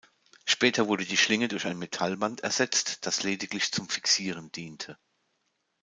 Später wurde die Schlinge durch ein Metallband ersetzt, das lediglich zum Fixieren diente.